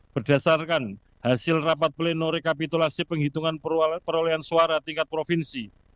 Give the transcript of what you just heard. berdasarkan hasil rapat pleno rekapitulasi penghitungan perolehan suara tingkat provinsi